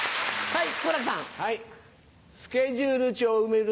はい！